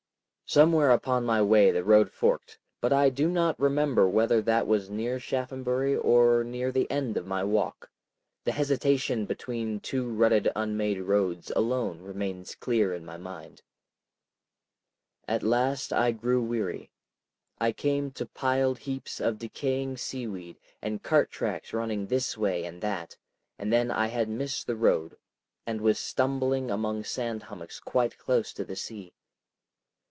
Somewhere upon my way the road forked, but I do not remember whether that was near Shaphambury or near the end of my walk. The hesitation between two rutted unmade roads alone remains clear in my mind. At last I grew weary. I came to piled heaps of decaying seaweed and cart tracks running this way and that, and then I had missed the road and was stumbling among sand hummocks quite close to the sea.